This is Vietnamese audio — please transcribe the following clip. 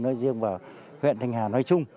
nơi riêng và huyện thành hà nói chung